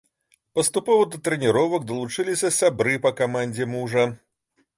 Паступова да трэніровак далучыліся сябры па камандзе мужа.